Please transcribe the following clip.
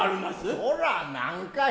そら何かい。